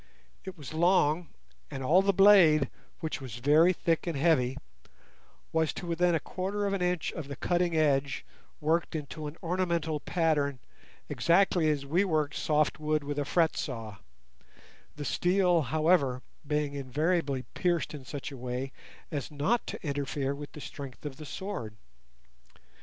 It was long, and all the blade, which was very thick and heavy, was to within a quarter of an inch of the cutting edge worked into an ornamental pattern exactly as we work soft wood with a fret saw, the steel, however, being invariably pierced in such a way as not to interfere with the strength of the sword.